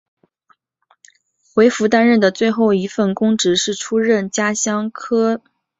韦弗担任的最后一份公职是出任家乡科尔法克斯的市长。